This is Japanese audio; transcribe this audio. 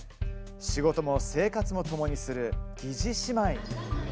仕事も生活もともにする疑似姉妹。